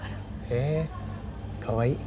へえかわいい。